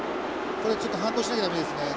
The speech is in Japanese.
これちょっと反応しなきゃ駄目ですね。